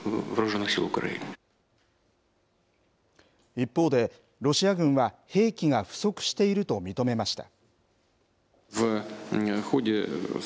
一方で、ロシア軍は兵器が不足していると認めました。